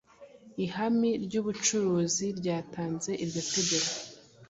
Ihami ryubucuruzi ryatanze iryo tegeko